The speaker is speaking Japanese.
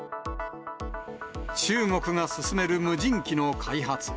中国が進める無人機の開発。